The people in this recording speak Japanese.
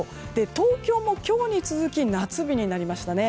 東京も今日に続き夏日になりましたね。